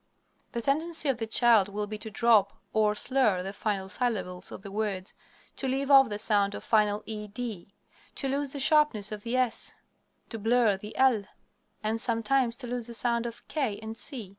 The tendency of the child will be to drop, or slur, the final syllables of the words; to leave off the sound of final ed; to lose the sharpness of the s; to blur the l; and sometimes to lose the sound of k and c.